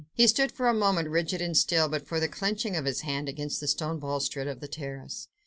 He stood for a moment, rigid and still, but for the clenching of his hand against the stone balustrade of the terrace.